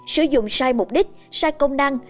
sử dụng sai mục đích sai công năng